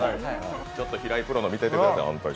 ちょっと平井プロのを見せてください。